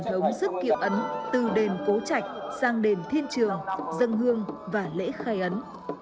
thống sức kiệu ấn từ đền cố chạch sang đền thiên trường dân hương và lễ khai ấn